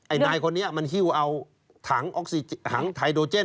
ไอ้นายคนนี้มันหิวเอาถังไทโดเจน